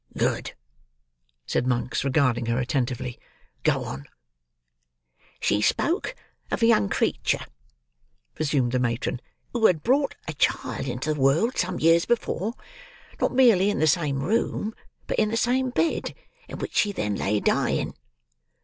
"Good," said Monks, regarding her attentively. "Go on." "She spoke of a young creature," resumed the matron, "who had brought a child into the world some years before; not merely in the same room, but in the same bed, in which she then lay dying."